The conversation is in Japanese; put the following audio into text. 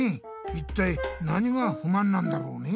いったいなにがふまんなんだろうね。